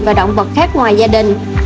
và động vật khác ngoài gia đình